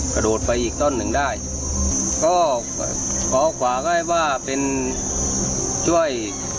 กระโดดไปอีกต้นหนึ่งได้ก็ขอขวาก็ให้ว่าเป็นช่วย